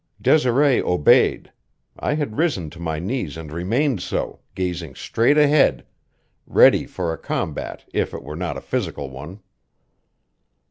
Desiree obeyed; I had risen to my knees and remained so, gazing straight ahead, ready for a combat if it were not a physical one.